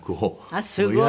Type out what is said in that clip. あっすごい。